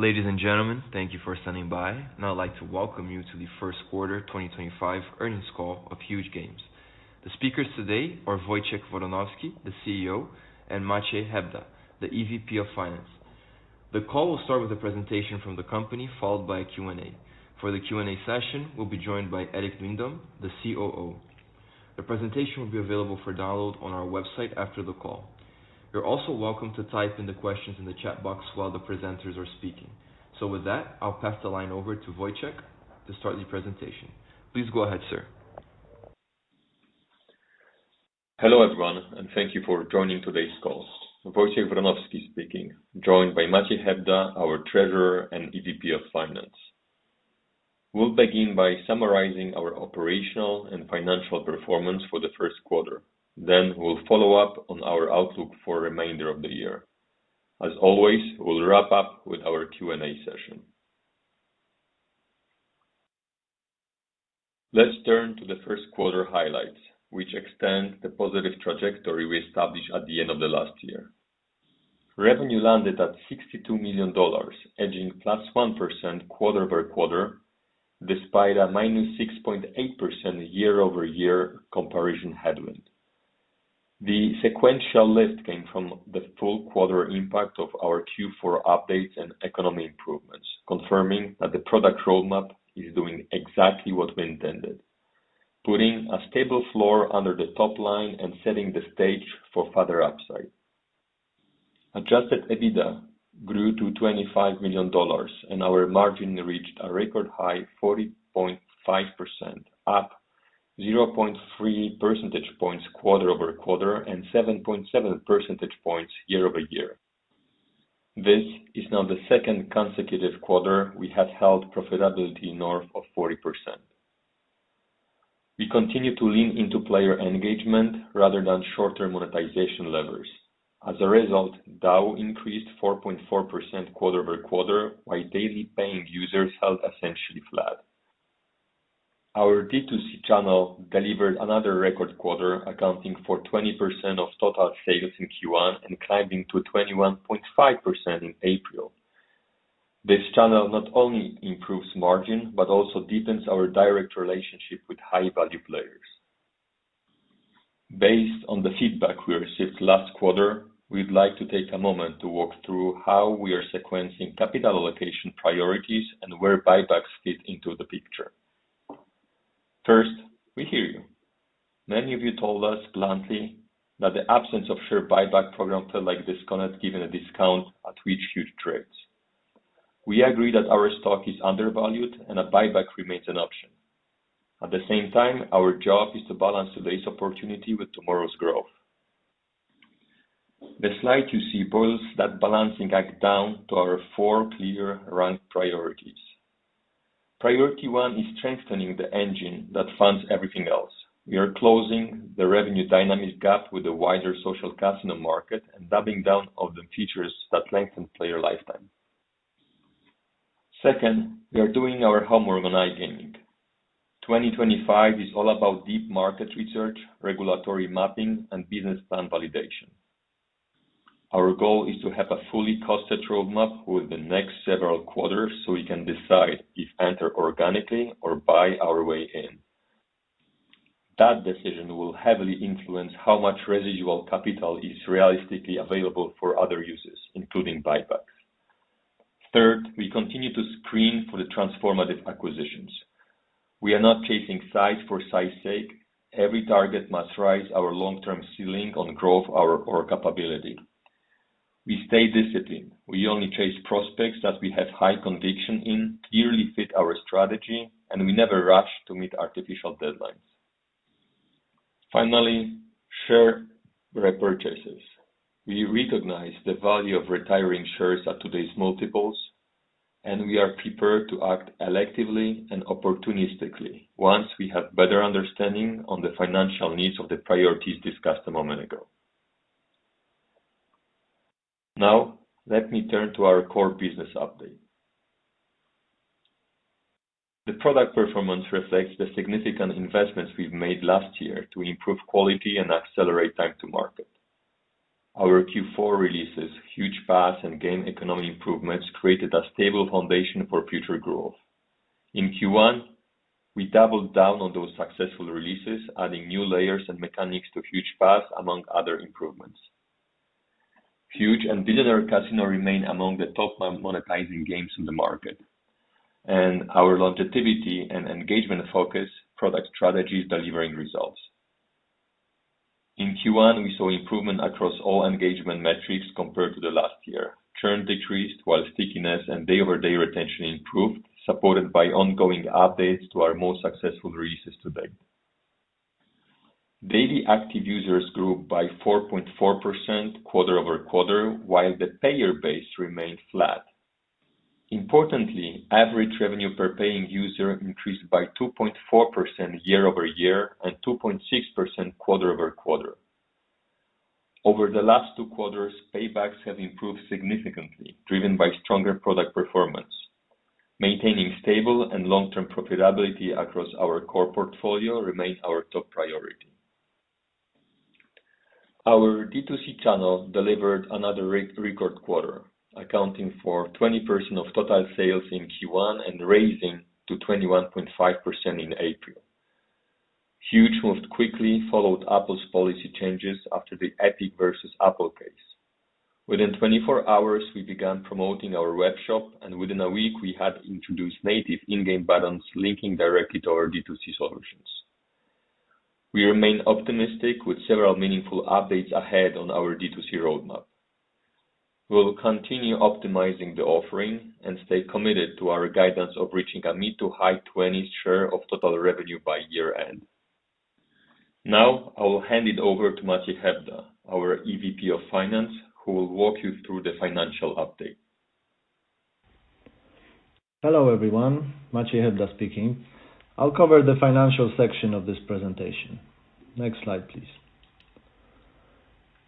Ladies and gentlemen, thank you for standing by. Now, I'd like to welcome you to the first quarter 2025 earnings call of Huuuge Games. The speakers today are Wojciech Wronowski, the CEO, and Maciej Hebda, the EVP of Finance. The call will start with a presentation from the company, followed by a Q&A. For the Q&A session, we'll be joined by Erik Duindam, the COO. The presentation will be available for download on our website after the call. You're also welcome to type in the questions in the chat box while the presenters are speaking. So, with that, I'll pass the line over to Wojciech to start the presentation. Please go ahead, sir. Hello everyone, and thank you for joining today's call. Wojciech Wronowski speaking, joined by Maciej Hebda, our treasurer and EVP of Finance. We'll begin by summarizing our operational and financial performance for the first quarter. Then, we'll follow up on our outlook for the remainder of the year. As always, we'll wrap up with our Q&A session. Let's turn to the first quarter highlights, which extend the positive trajectory we established at the end of the last year. Revenue landed at $62 million, edging +1% quarter-over-quarter, despite a -6.8% year-over-year comparison headwind. The sequential lift came from the full quarter impact of our Q4 updates and economic improvements, confirming that the product roadmap is doing exactly what we intended, putting a stable floor under the top line and setting the stage for further upside. Adjusted EBITDA grew to $25 million, and our margin reached a record high of 40.5%, up 0.3 percentage points quarter-over-quarter and 7.7 percentage points year-over-year. This is now the second consecutive quarter we have held profitability north of 40%. We continue to lean into player engagement rather than shorter monetization levers. As a result, DAU increased 4.4% quarter-over-quarter, while daily paying users held essentially flat. Our D2C channel delivered another record quarter, accounting for 20% of total sales in Q1 and climbing to 21.5% in April. This channel not only improves margin but also deepens our direct relationship with high-value players. Based on the feedback we received last quarter, we'd like to take a moment to walk through how we are sequencing capital allocation priorities and where buybacks fit into the picture. First, we hear you. Many of you told us bluntly that the absence of share buyback program felt like disconnect given a discount at Huuuge trades. We agree that our stock is undervalued and a buyback remains an option. At the same time, our job is to balance today's opportunity with tomorrow's growth. The slide you see boils that balancing act down to our four clear ranked priorities. Priority one is strengthening the engine that funds everything else. We are closing the revenue dynamic gap with a wider social casino in the market and doubling down all the features that lengthen player lifetime. Second, we are doing our homework on iGaming. 2025 is all about deep market research, regulatory mapping, and business plan validation. Our goal is to have a fully costed roadmap with the next several quarters so we can decide if to enter organically or buy our way in. That decision will heavily influence how much residual capital is realistically available for other uses, including buybacks. Third, we continue to screen for the transformative acquisitions. We are not chasing size for size's sake. Every target must raise our long-term ceiling on growth or capability. We stay disciplined. We only chase prospects that we have high conviction in, clearly fit our strategy, and we never rush to meet artificial deadlines. Finally, share repurchases. We recognize the value of retiring shares at today's multiples, and we are prepared to act electively and opportunistically once we have better understanding of the financial needs of the priorities discussed a moment ago. Now, let me turn to our core business update. The product performance reflects the significant investments we've made last year to improve quality and accelerate time to market. Our Q4 releases, Huuuge Pass, and Game Economy Improvements created a stable foundation for future growth. In Q1, we doubled down on those successful releases, adding new layers and mechanics to Huuuge Pass, among other improvements. Huuuge and Billionaire Casino remain among the top monetizing games in the market, and our longevity and engagement focus product strategies delivering results. In Q1, we saw improvement across all engagement metrics compared to the last year. Churn decreased while stickiness and day-over-day retention improved, supported by ongoing updates to our most successful releases to date. Daily active users grew by 4.4% quarter-over-quarter, while the payer base remained flat. Importantly, average revenue per paying user increased by 2.4% year-over-year and 2.6% quarter-over-quarter. Over the last two quarters, paybacks have improved significantly, driven by stronger product performance. Maintaining stable and long-term profitability across our core portfolio remains our top priority. Our D2C channel delivered another record quarter, accounting for 20% of total sales in Q1 and raising to 21.5% in April. Huuuge moved quickly, followed Apple's policy changes after the Epic versus Apple case. Within 24 hours, we began promoting our web shop, and within a week, we had introduced native in-game buttons linking directly to our D2C solutions. We remain optimistic with several meaningful updates ahead on our D2C roadmap. We'll continue optimizing the offering and stay committed to our guidance of reaching a mid-to-high 20s share of total revenue by year-end. Now, I will hand it over to Maciej Hebda, our EVP of Finance, who will walk you through the financial update. Hello, everyone. Maciej Hebda speaking. I'll cover the financial section of this presentation. Next slide, please.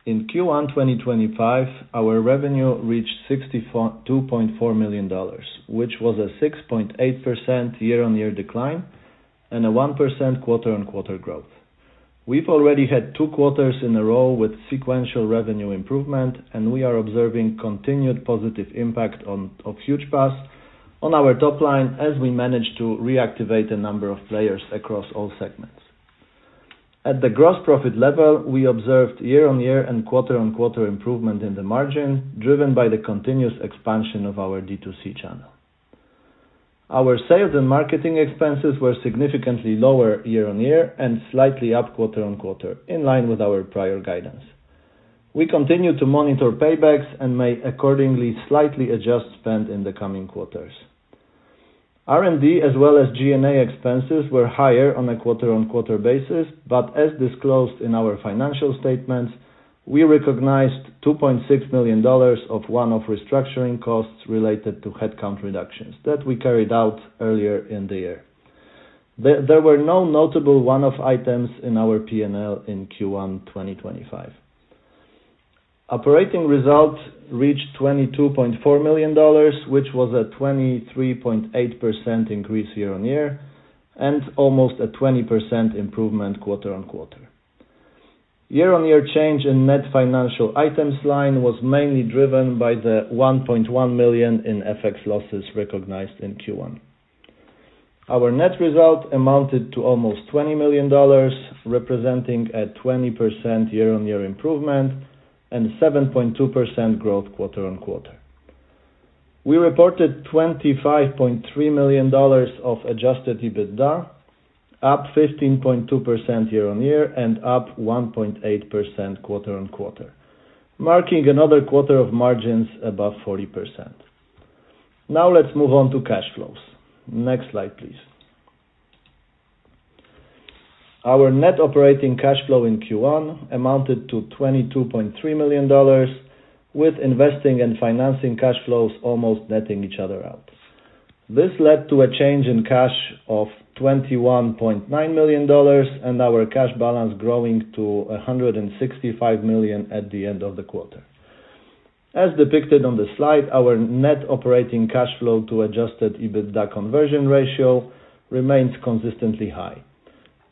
In Q1 2025, our revenue reached $62.4 million, which was a 6.8% year-on-year decline and a 1% quarter-on-quarter growth. We've already had two quarters in a row with sequential revenue improvement, and we are observing continued positive impact of Huuuge Pass on our top line as we managed to reactivate a number of players across all segments. At the gross profit level, we observed year-on-year and quarter-on-quarter improvement in the margin, driven by the continuous expansion of our D2C channel. Our sales and marketing expenses were significantly lower year-on-year and slightly up quarter-on-quarter, in line with our prior guidance. We continue to monitor paybacks and may accordingly slightly adjust spend in the coming quarters. R&D as well as G&A expenses were higher on a quarter-on-quarter basis, but as disclosed in our financial statements, we recognized $2.6 million of one-off restructuring costs related to headcount reductions that we carried out earlier in the year. There were no notable one-off items in our P&L in Q1 2025. Operating result reached $22.4 million, which was a 23.8% increase year-on-year and almost a 20% improvement quarter-on-quarter. Year-on-year change in net financial items line was mainly driven by the $1.1 million in FX losses recognized in Q1. Our net result amounted to almost $20 million, representing a 20% year-on-year improvement and 7.2% growth quarter-on-quarter. We reported $25.3 million of Adjusted EBITDA, up 15.2% year-on-year and up 1.8% quarter-on-quarter, marking another quarter of margins above 40%. Now, let's move on to cash flows. Next slide, please. Our net operating cash flow in Q1 amounted to $22.3 million, with investing and financing cash flows almost netting each other out. This led to a change in cash of $21.9 million and our cash balance growing to $165 million at the end of the quarter. As depicted on the slide, our net operating cash flow to Adjusted EBITDA conversion ratio remains consistently high.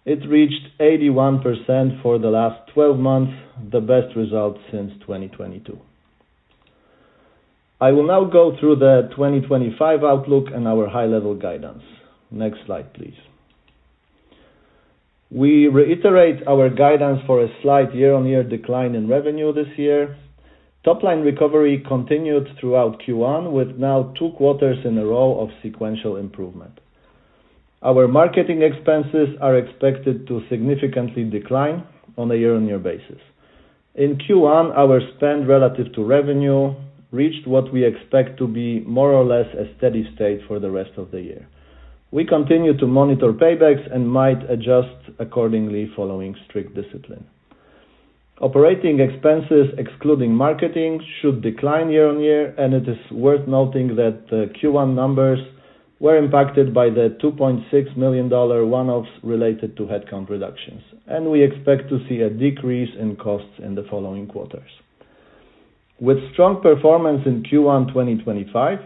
It reached 81% for the last 12 months, the best result since 2022. I will now go through the 2025 outlook and our high-level guidance. Next slide, please. We reiterate our guidance for a slight year-on-year decline in revenue this year. Top-line recovery continued throughout Q1, with now two quarters in a row of sequential improvement. Our marketing expenses are expected to significantly decline on a year-on-year basis. In Q1, our spend relative to revenue reached what we expect to be more or less a steady state for the rest of the year. We continue to monitor paybacks and might adjust accordingly following strict discipline. Operating expenses, excluding marketing, should decline year-on-year, and it is worth noting that the Q1 numbers were impacted by the $2.6 million one-offs related to headcount reductions, and we expect to see a decrease in costs in the following quarters. With strong performance in Q1 2025,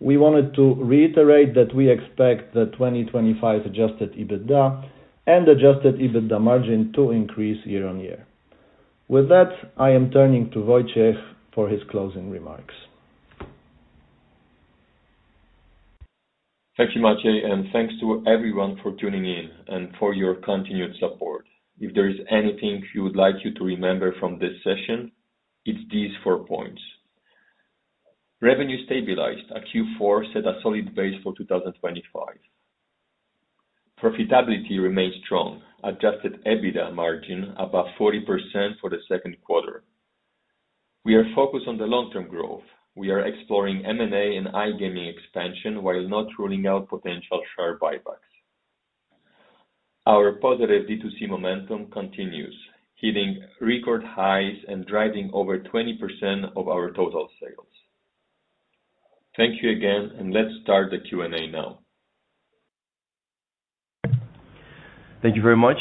we wanted to reiterate that we expect the 2025 Adjusted EBITDA and Adjusted EBITDA margin to increase year-on-year. With that, I am turning to Wojciech for his closing remarks. Thank you, Maciej, and thanks to everyone for tuning in and for your continued support. If there is anything you would like you to remember from this session, it's these four points. Revenue stabilized at Q4, set a solid base for 2025. Profitability remains strong. Adjusted EBITDA margin above 40% for the second quarter. We are focused on the long-term growth. We are exploring M&A and iGaming expansion while not ruling out potential share buybacks. Our positive D2C momentum continues, hitting record highs and driving over 20% of our total sales. Thank you again, and let's start the Q&A now. Thank you very much.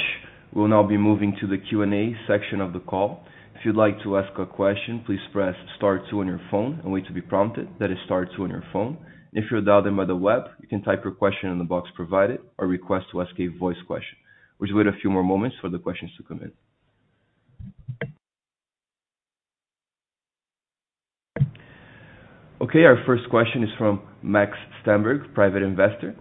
We'll now be moving to the Q&A section of the call. If you'd like to ask a question, please press Star 2 on your phone and wait to be prompted. That is Star 2 on your phone. If you're dialed in by the web, you can type your question in the box provided or request to ask a voice question. We'll just wait a few more moments for the questions to come in. Okay, our first question is from Max Stenberg, private investor.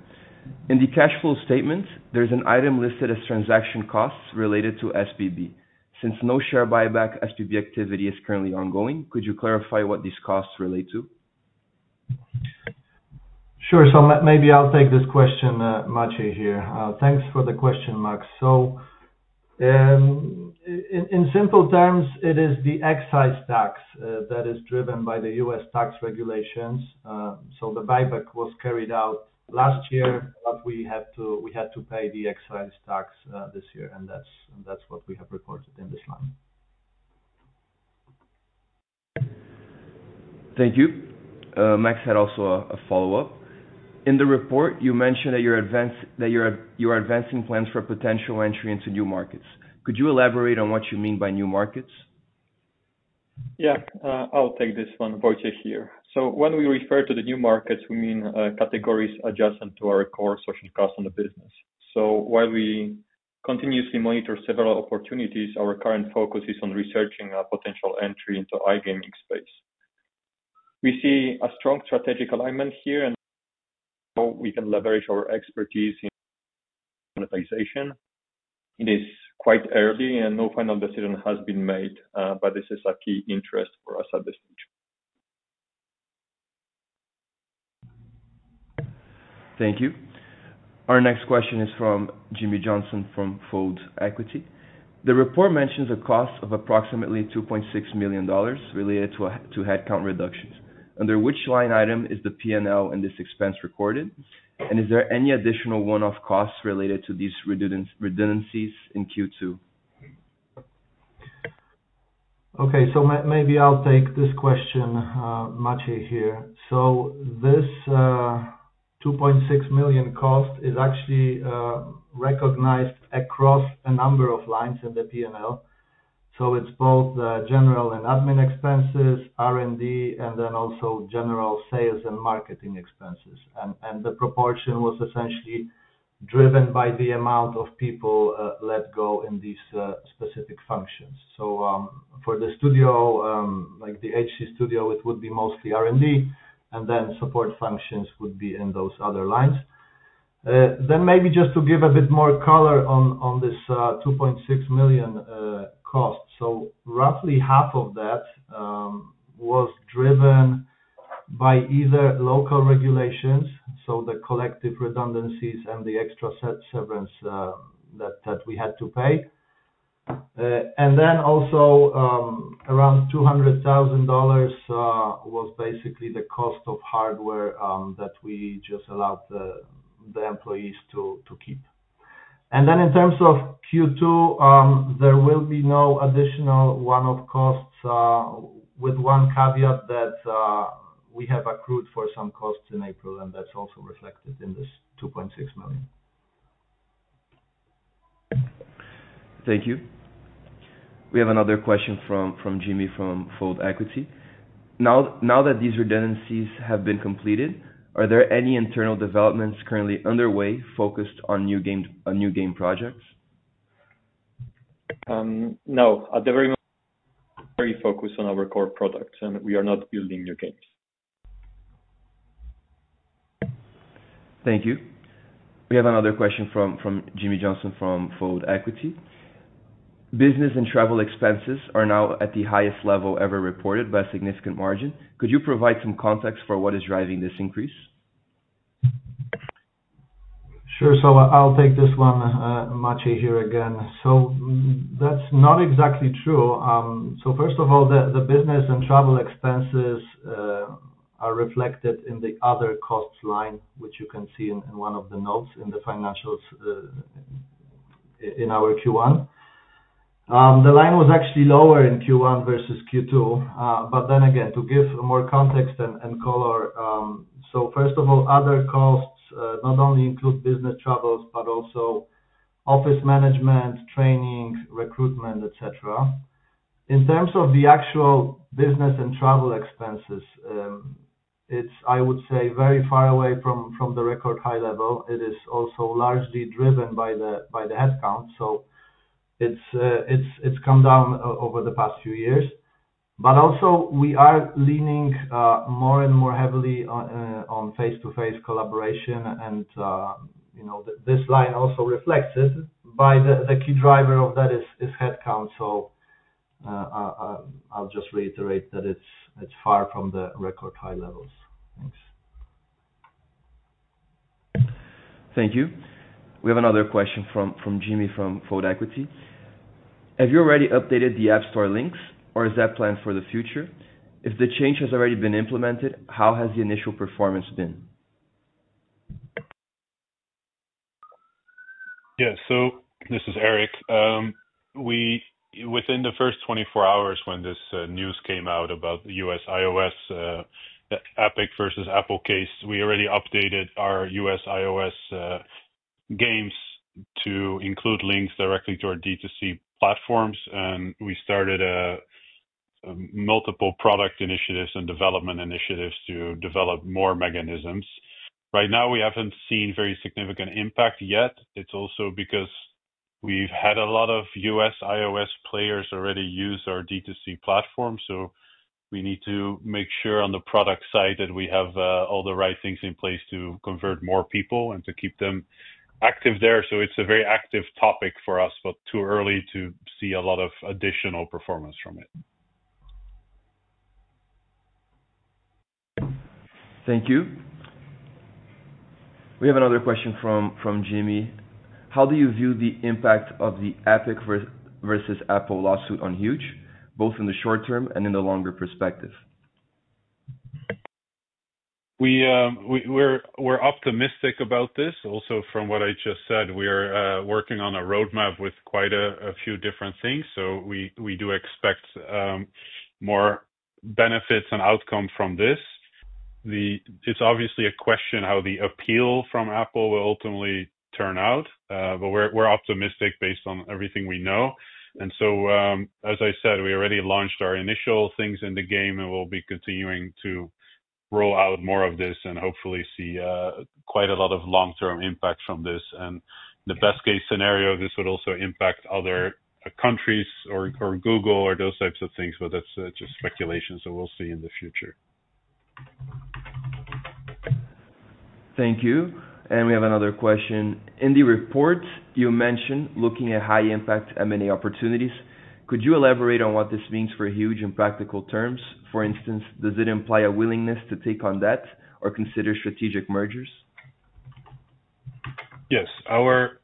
In the cash flow statement, there's an item listed as transaction costs related to SBB. Since no share buyback SBB activity is currently ongoing, could you clarify what these costs relate to? Sure, so maybe I'll take this question, Maciej here. Thanks for the question, Max. So in simple terms, it is the excise tax that is driven by the U.S., tax regulations. So the buyback was carried out last year, but we had to pay the excise tax this year, and that's what we have reported in this line. Thank you. Max had also a follow-up. In the report, you mentioned that you're advancing plans for potential entry into new markets. Could you elaborate on what you mean by new markets? Yeah, I'll take this one, Wojciech here. So when we refer to the new markets, we mean categories adjacent to our core social casino in the business. So while we continuously monitor several opportunities, our current focus is on researching a potential entry into the iGaming space. We see a strong strategic alignment here, and we can leverage our expertise in monetization. It is quite early, and no final decision has been made, but this is a key interest for us at this stage. Thank you. Our next question is from Jimmy Johnson from Fold Equity. The report mentions a cost of approximately $2.6 million related to headcount reductions. Under which line item is the P&L in this expense recorded? And is there any additional one-off costs related to these redundancies in Q2? Okay, so maybe I'll take this question, Maciej here. So this $2.6 million cost is actually recognized across a number of lines in the P&L. So it's both general and admin expenses, R&D, and then also general sales and marketing expenses. And the proportion was essentially driven by the amount of people let go in these specific functions. So for the studio, like the HC studio, it would be mostly R&D, and then support functions would be in those other lines. Then maybe just to give a bit more color on this $2.6 million cost, so roughly half of that was driven by either local regulations, so the collective redundancies and the extra severance that we had to pay. And then also around $200,000 was basically the cost of hardware that we just allowed the employees to keep. Then in terms of Q2, there will be no additional one-off costs with one caveat that we have accrued for some costs in April, and that's also reflected in this $2.6 million. Thank you. We have another question from Jimmy from Fold Equity. Now that these redundancies have been completed, are there any internal developments currently underway focused on new game projects? No, at the very moment, we're very focused on our core products, and we are not building new games. Thank you. We have another question from Jimmy Johnson from Fold Equity. Business and travel expenses are now at the highest level ever reported by a significant margin. Could you provide some context for what is driving this increase? Sure, so I'll take this one, Maciej here, again. So that's not exactly true. So first of all, the business and travel expenses are reflected in the other costs line, which you can see in one of the notes in the financials in our Q1. The line was actually lower in Q1 versus Q2, but then again, to give more context and color, so first of all, other costs not only include business travels, but also office management, training, recruitment, etc. In terms of the actual business and travel expenses, it's, I would say, very far away from the record high level. It is also largely driven by the headcount, so it's come down over the past few years. But also, we are leaning more and more heavily on face-to-face collaboration, and this line also reflects it. But the key driver of that is headcount, so I'll just reiterate that it's far from the record high levels. Thanks. Thank you. We have another question from Jimmy from Fold Equity. Have you already updated the App Store links, or is that planned for the future? If the change has already been implemented, how has the initial performance been? Yeah, so this is Erik. Within the first 24 hours when this news came out about the U.S., iOS Epic versus Apple case, we already updated our U.S., iOS games to include links directly to our D2C platforms, and we started multiple product initiatives and development initiatives to develop more mechanisms. Right now, we haven't seen very significant impact yet. It's also because we've had a lot of U.S., iOS players already use our D2C platform, so we need to make sure on the product side that we have all the right things in place to convert more people and to keep them active there. So it's a very active topic for us, but too early to see a lot of additional performance from it. Thank you. We have another question from Jimmy. How do you view the impact of the Epic versus Apple lawsuit on Huuuge, both in the short term and in the longer perspective? We're optimistic about this. Also, from what I just said, we are working on a roadmap with quite a few different things, so we do expect more benefits and outcomes from this. It's obviously a question how the appeal from Apple will ultimately turn out, but we're optimistic based on everything we know, and so, as I said, we already launched our initial things in the game, and we'll be continuing to roll out more of this and hopefully see quite a lot of long-term impact from this, and in the best-case scenario, this would also impact other countries or Google or those types of things, but that's just speculation, so we'll see in the future. Thank you. We have another question. In the report, you mentioned looking at high-impact M&A opportunities. Could you elaborate on what this means for Huuuge in practical terms? For instance, does it imply a willingness to take on debt or consider strategic mergers? Yes, our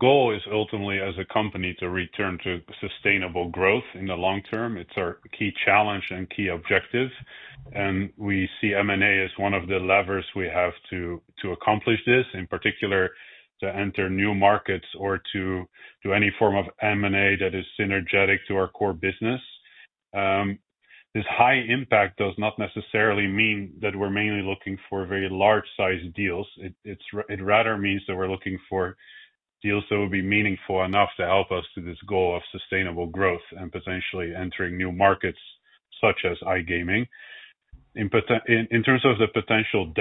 goal is ultimately, as a company, to return to sustainable growth in the long term. It's our key challenge and key objective, and we see M&A as one of the levers we have to accomplish this, in particular, to enter new markets or to do any form of M&A that is synergetic to our core business. This high impact does not necessarily mean that we're mainly looking for very large-sized deals. It rather means that we're looking for deals that would be meaningful enough to help us to this goal of sustainable growth and potentially entering new markets such as iGaming. In terms of the potential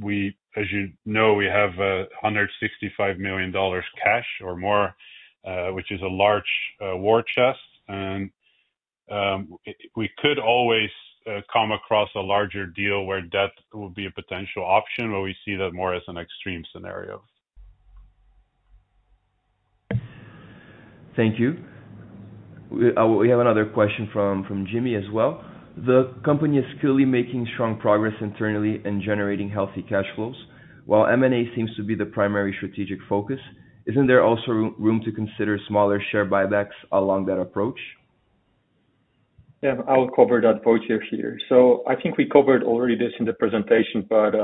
debt, as you know, we have $165 million cash or more, which is a large war chest, and we could always come across a larger deal where debt would be a potential option, but we see that more as an extreme scenario. Thank you. We have another question from Jimmy as well. The company is clearly making strong progress internally and generating healthy cash flows. While M&A seems to be the primary strategic focus, isn't there also room to consider smaller share buybacks along that approach? Yeah, I'll cover that, Wojciech here. So I think we covered already this in the presentation, but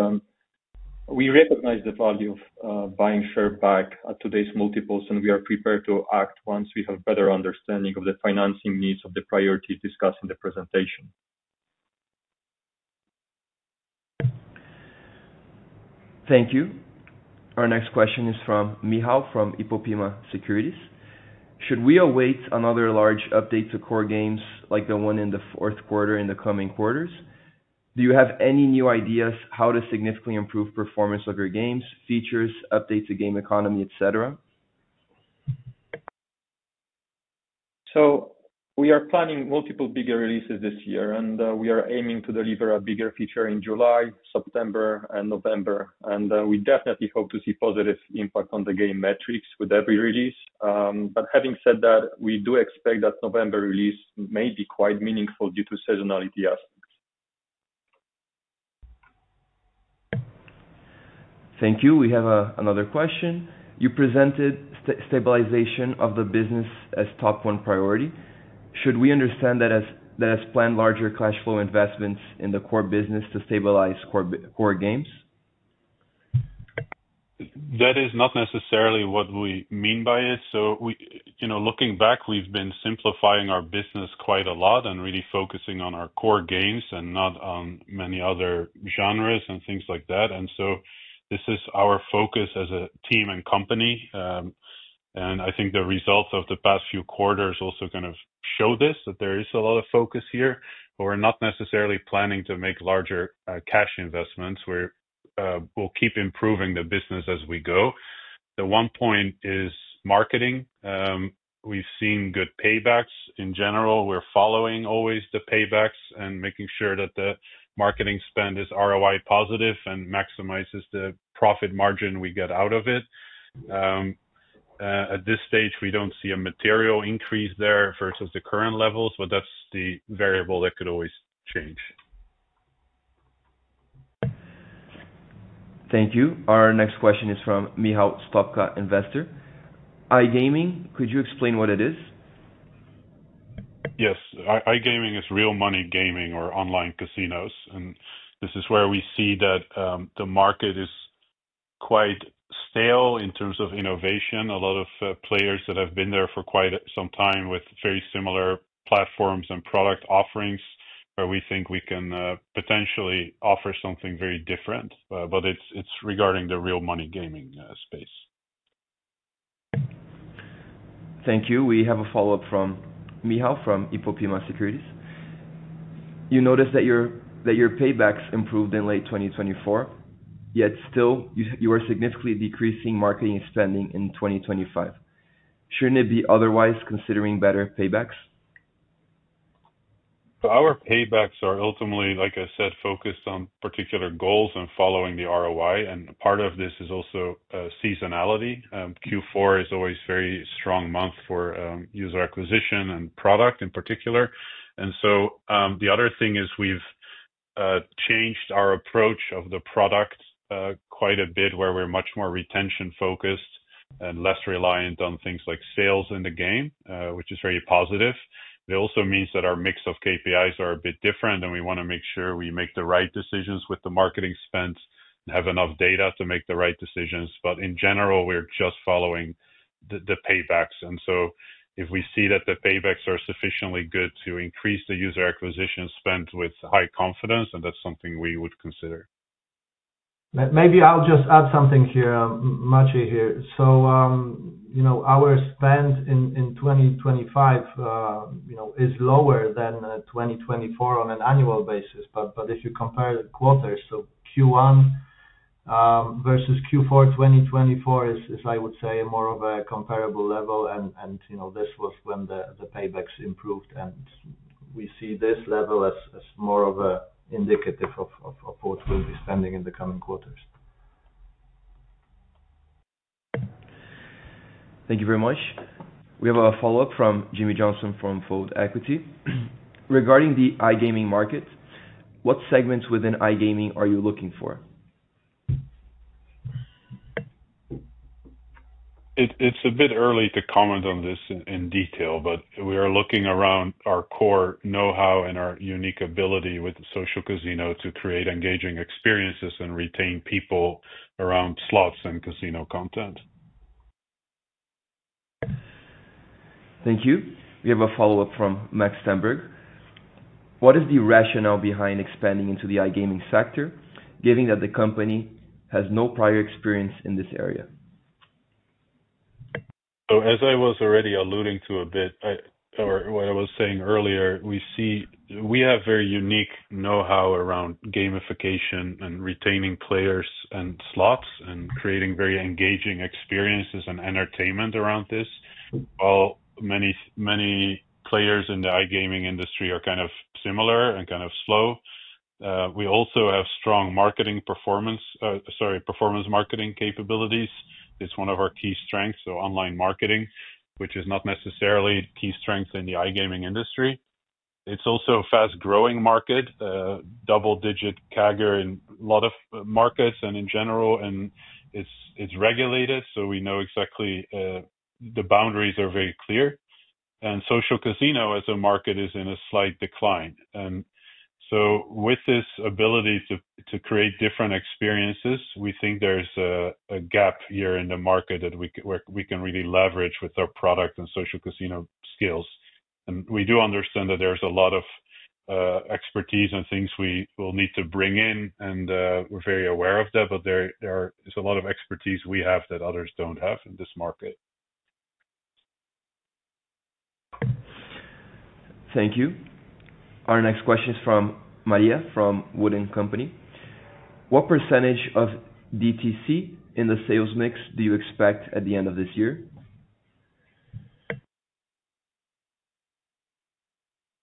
we recognize the value of buying share back at today's multiples, and we are prepared to act once we have a better understanding of the financing needs of the priorities discussed in the presentation. Thank you. Our next question is from Michał from Ipopema Securities. Should we await another large update to core games like the one in the fourth quarter in the coming quarters? Do you have any new ideas how to significantly improve performance of your games, features, updates to game economy, etc.? We are planning multiple bigger releases this year, and we are aiming to deliver a bigger feature in July, September, and November, and we definitely hope to see positive impact on the game metrics with every release. Having said that, we do expect that November release may be quite meaningful due to seasonality aspects. Thank you. We have another question. You presented stabilization of the business as top one priority. Should we understand that as planned larger cash flow investments in the core business to stabilize core games? That is not necessarily what we mean by it. So looking back, we've been simplifying our business quite a lot and really focusing on our core games and not on many other genres and things like that. And so this is our focus as a team and company, and I think the results of the past few quarters also kind of show this that there is a lot of focus here. We're not necessarily planning to make larger cash investments. We'll keep improving the business as we go. The one point is marketing. We've seen good paybacks. In general, we're following always the paybacks and making sure that the marketing spend is ROI positive and maximizes the profit margin we get out of it. At this stage, we don't see a material increase there versus the current levels, but that's the variable that could always change. Thank you. Our next question is from Michał Stopka, Investor. iGaming, could you explain what it is? Yes, iGaming is real money gaming or online casinos, and this is where we see that the market is quite stale in terms of innovation. A lot of players that have been there for quite some time with very similar platforms and product offerings where we think we can potentially offer something very different, but it's regarding the real money gaming space. Thank you. We have a follow-up from Michał from Ipopema Securities. You noticed that your paybacks improved in late 2024, yet still you are significantly decreasing marketing spending in 2025. Shouldn't it be otherwise considering better paybacks? Our paybacks are ultimately, like I said, focused on particular goals and following the ROI, and part of this is also seasonality. Q4 is always a very strong month for user acquisition and product in particular, and so the other thing is we've changed our approach of the product quite a bit where we're much more retention-focused and less reliant on things like sales in the game, which is very positive. It also means that our mix of KPIs are a bit different, and we want to make sure we make the right decisions with the marketing spend and have enough data to make the right decisions, but in general, we're just following the paybacks, and so if we see that the paybacks are sufficiently good to increase the user acquisition spend with high confidence, then that's something we would consider. Maybe I'll just add something here, Maciej here. Our spend in 2025 is lower than 2024 on an annual basis, but if you compare the quarters, Q1 versus Q4 2024 is, I would say, more of a comparable level, and this was when the paybacks improved, and we see this level as more of an indicative of what we'll be spending in the coming quarters. Thank you very much. We have a follow-up from Jimmy Johnson from Fold Equity. Regarding the iGaming market, what segments within iGaming are you looking for? It's a bit early to comment on this in detail, but we are looking around our core know-how and our unique ability with the social casino to create engaging experiences and retain people around slots and casino content. Thank you. We have a follow-up from Max Stenberg. What is the rationale behind expanding into the iGaming sector, given that the company has no prior experience in this area? So as I was already alluding to a bit or what I was saying earlier, we have very unique know-how around gamification and retaining players and slots and creating very engaging experiences and entertainment around this. While many players in the iGaming industry are kind of similar and kind of slow, we also have strong marketing performance, sorry, performance marketing capabilities. It's one of our key strengths, so online marketing, which is not necessarily a key strength in the iGaming industry. It's also a fast-growing market, double-digit CAGR in a lot of markets and in general, and it's regulated, so we know exactly the boundaries are very clear. And social casino as a market is in a slight decline. And so with this ability to create different experiences, we think there's a gap here in the market that we can really leverage with our product and social casino skills. We do understand that there's a lot of expertise and things we will need to bring in, and we're very aware of that, but there is a lot of expertise we have that others don't have in this market. Thank you. Our next question is from Maria from Wood & Company. What percentage of DTC in the sales mix do you expect at the end of this year?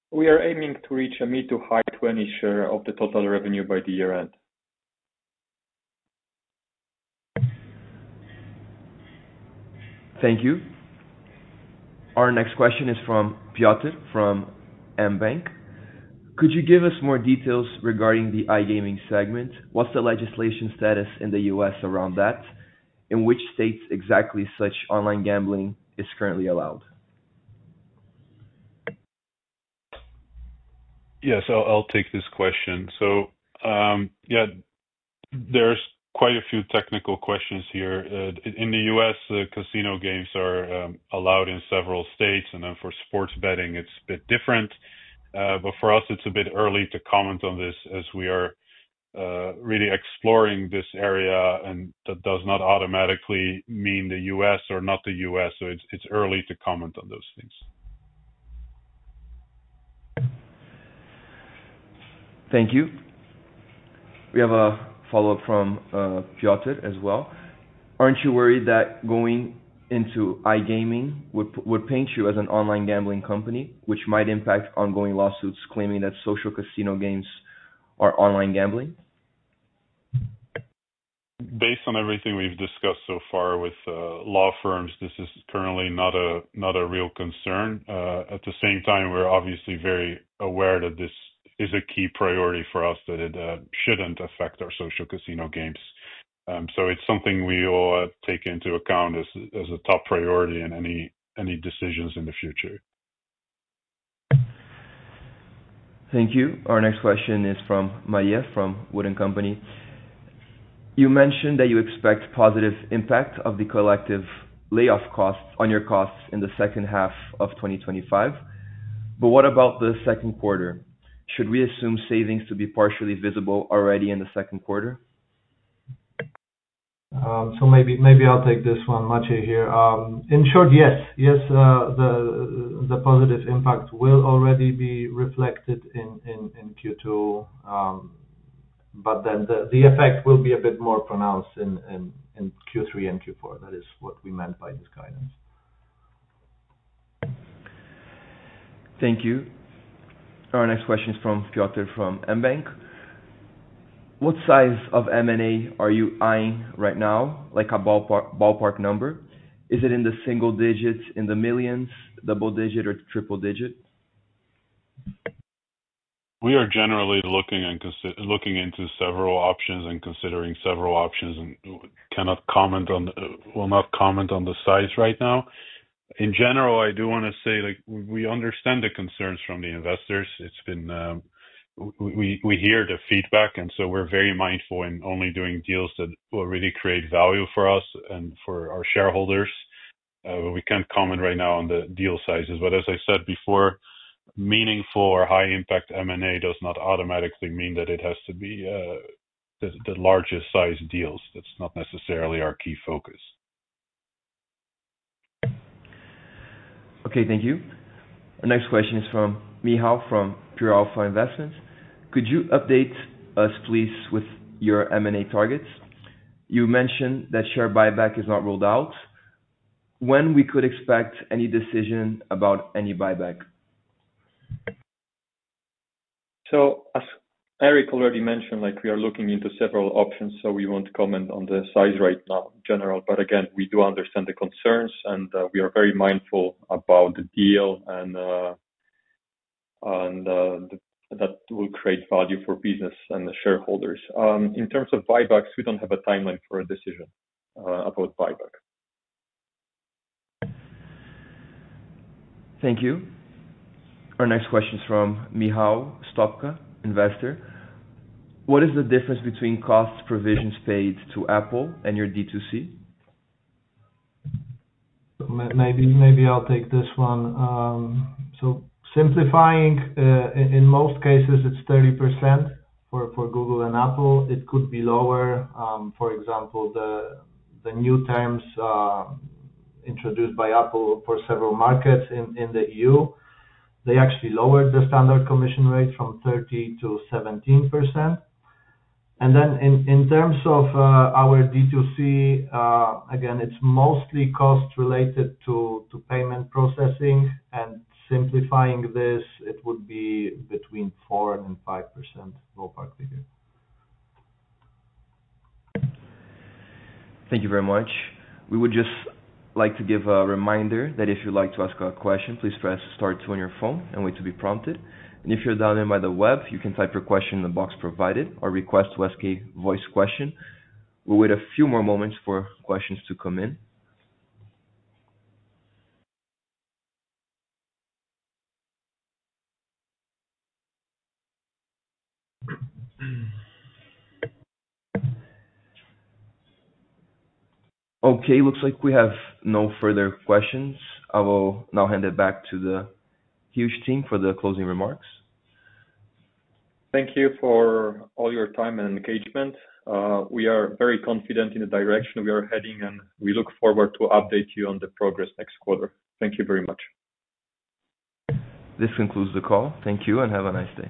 We are aiming to reach a mid- to high-20% share of the total revenue by the year end. Thank you. Our next question is from Piotr from mBank. Could you give us more details regarding the iGaming segment? What's the legislation status in the U.S., around that? In which states exactly such online gambling is currently allowed? Yes, I'll take this question. So yeah, there's quite a few technical questions here. In the U.S., casino games are allowed in several states, and then for sports betting, it's a bit different. But for us, it's a bit early to comment on this as we are really exploring this area, and that does not automatically mean the U.S., or not the U.S., so it's early to comment on those things. Thank you. We have a follow-up from Piotr as well. Aren't you worried that going into iGaming would paint you as an online gambling company, which might impact ongoing lawsuits claiming that social casino games are online gambling? Based on everything we've discussed so far with law firms, this is currently not a real concern. At the same time, we're obviously very aware that this is a key priority for us, that it shouldn't affect our social casino games, so it's something we all take into account as a top priority in any decisions in the future. Thank you. Our next question is from Maria from Wood & Company. You mentioned that you expect positive impact of the collective layoff costs on your costs in the second half of 2025, but what about the second quarter? Should we assume savings to be partially visible already in the second quarter? So maybe I'll take this one, Maciej here. In short, yes. Yes, the positive impact will already be reflected in Q2, but then the effect will be a bit more pronounced in Q3 and Q4. That is what we meant by this guidance. Thank you. Our next question is from Piotr from mBank. What size of M&A are you eyeing right now, like a ballpark number? Is it in the single digits, in the millions, double-digit, or triple-digit? We are generally looking into several options and considering several options and will not comment on the size right now. In general, I do want to say we understand the concerns from the investors. We hear the feedback, and so we're very mindful in only doing deals that will really create value for us and for our shareholders. We can't comment right now on the deal sizes, but as I said before, meaningful or high-impact M&A does not automatically mean that it has to be the largest size deals. That's not necessarily our key focus. Okay, thank you. Our next question is from Michał from Pure Alpha Investments. Could you update us, please, with your M&A targets? You mentioned that share buyback is not ruled out. When we could expect any decision about any buyback? So as Erik already mentioned, we are looking into several options, so we won't comment on the size right now in general, but again, we do understand the concerns, and we are very mindful about the deal, and that will create value for business and the shareholders. In terms of buybacks, we don't have a timeline for a decision about buyback. Thank you. Our next question is from Michał Stopka, Investor. What is the difference between costs provisions paid to Apple and your D2C? Maybe I'll take this one. So simplifying, in most cases, it's 30% for Google and Apple. It could be lower. For example, the new terms introduced by Apple for several markets in the EU, they actually lowered the standard commission rate from 30% to 17%. And then in terms of our D2C, again, it's mostly cost-related to payment processing, and simplifying this, it would be between 4% and 5%, ballpark figure. Thank you very much. We would just like to give a reminder that if you'd like to ask a question, please press Star 2 on your phone and wait to be prompted. And if you're dialed in by the web, you can type your question in the box provided or request to ask a voice question. We'll wait a few more moments for questions to come in. Okay, looks like we have no further questions. I will now hand it back to the Huuuge team for the closing remarks. Thank you for all your time and engagement. We are very confident in the direction we are heading, and we look forward to update you on the progress next quarter. Thank you very much. This concludes the call. Thank you and have a nice day.